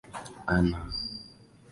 Ana udhaifu.